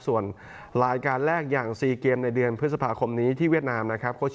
ส่วนรายการแรกอย่าง๔เกมในเดือนพฤษภาคมนี้ที่เวียดนามนะครับ